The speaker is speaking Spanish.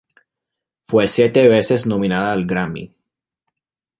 Fue siete veces nominada al Grammy.